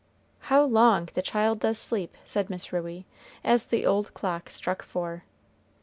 "How long the child does sleep!" said Miss Ruey as the old clock struck four.